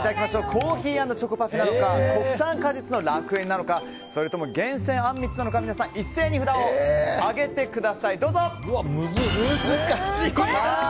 コーヒー＆チョコパフェなのか国産果実の楽園なのかそれとも厳選あんみつなのか一斉に札を上げてください。